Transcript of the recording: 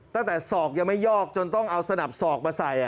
ศอกยังไม่ยอกจนต้องเอาสนับสอกมาใส่